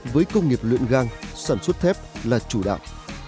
với công nghiệp luyện gang sản xuất thép là chủ đạo